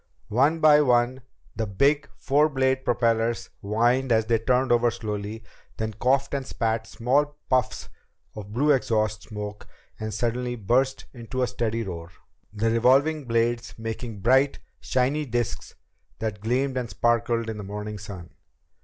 One by one the big, four bladed propellers whined as they turned over slowly, then coughed and spat small puffs of blue exhaust smoke and suddenly burst into a steady roar, the revolving blades making bright, shiny disks that gleamed and sparkled in the morning sun.